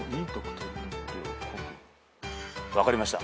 分かりました。